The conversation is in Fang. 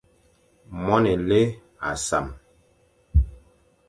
Moan élé âʼa sam.